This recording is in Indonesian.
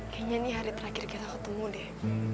kayaknya ini hari terakhir kita ketemu deh